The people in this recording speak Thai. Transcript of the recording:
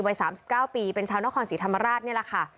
วัยสามสิบเก้าปีเป็นชาวนครศรีธรรมราชเนี่ยแหละค่ะ